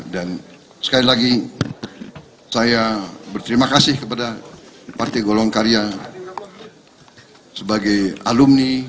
dan sekali lagi saya berterima kasih kepada partai golong karya sebagai alumni